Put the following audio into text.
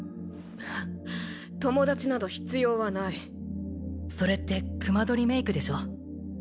友達など必要はないそれって隈取りメイクでしょ？